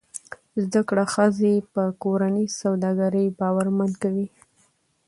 زده کړه ښځه په کورني سوداګرۍ باورمند کوي.